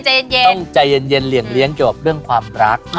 ต้องใจเย็นเหลี่ยงเลี้ยงเกี่ยวกับเรื่องความรัก